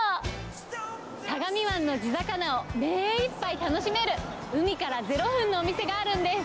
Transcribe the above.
相模湾の地魚を目いっぱい楽しめる、海から０分のお店があるんです。